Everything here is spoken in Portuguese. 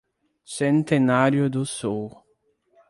Centenário do Sul